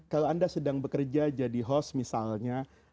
kalau anda sedang bekerja jadi host misalnya